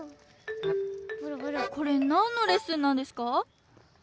これなんのレッスンなんですか？